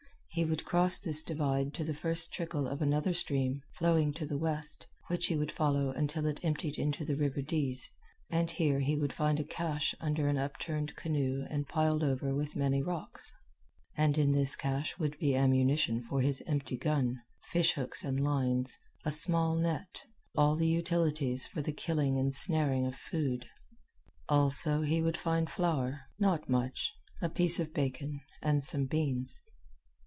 He would cross this divide to the first trickle of another stream, flowing to the west, which he would follow until it emptied into the river Dease, and here he would find a cache under an upturned canoe and piled over with many rocks. And in this cache would be ammunition for his empty gun, fish hooks and lines, a small net all the utilities for the killing and snaring of food. Also, he would find flour, not much, a piece of bacon, and some beans.